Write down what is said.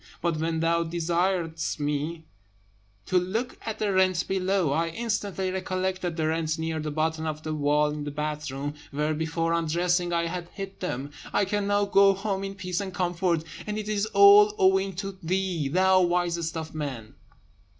But when thou desiredst me to look at the rent below, I instantly recollected the rent near the bottom of the wall in the bathroom, where, before undressing, I had hid them. I can now go home in peace and comfort; and it is all owing to thee, thou wisest of men!"